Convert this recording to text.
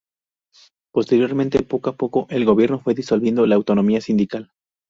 Posteriormente poco a poco el Gobierno fue disolviendo la autonomía sindical.